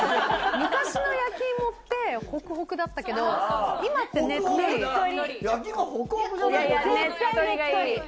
昔の焼きいもってホクホクだったけど今ってねっとり。